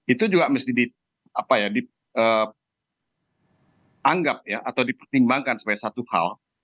itu juga mesti dianggap atau dipertimbangkan sebagai satu hal